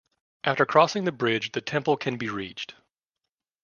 After crossing the bridge the temple can be reached.